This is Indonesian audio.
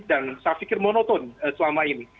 dan saya pikir monoton selama ini